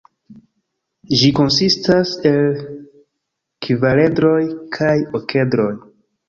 Ĝi konsistas el kvaredroj kaj okedroj.